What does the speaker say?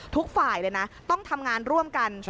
ทุกฝ่ายเลยนะต้องทำงานร่วมกัน